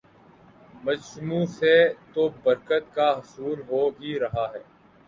مجسموں سے تو برکت کا حصول ہو ہی رہا ہے